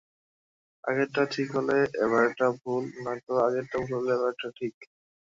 আগেরটা ঠিক হলে এবারেরটা ভুল, নয়তো আগেরটা ভুল হলে এবারেরটা ঠিক।